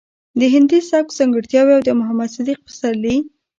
د هندي سبک ځانګړټياوې او د محمد صديق پسرلي